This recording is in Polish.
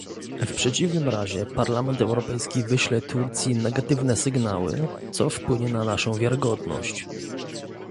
W przeciwnym razie Parlament Europejski wyśle Turcji negatywne sygnały, co wpłynie na naszą wiarygodność